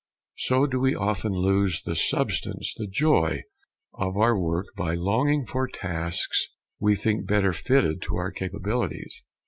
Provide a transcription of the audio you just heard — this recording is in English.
So do we often lose the substance the joy of our work by longing for tasks we think better fitted to our capabilities.